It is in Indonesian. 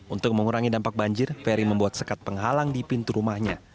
untuk mengurangi dampak banjir peri membuat sekat penghalang di pintu rumahnya